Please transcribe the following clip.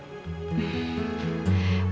tapi itu bukan kemampuan